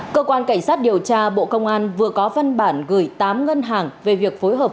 cơ quan cảnh sát điều tra bộ công an vừa có văn bản gửi tám ngân hàng về việc phối hợp